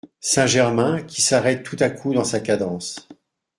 Saint-Germain, qui s’arrête tout à coup dans sa cadence.